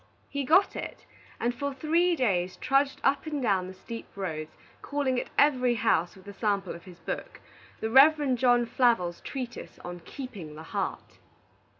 He got it, and for three days trudged up and down the steep roads, calling at every house with a sample of his book, the Rev. John Flavel's treatise on "Keeping the Heart."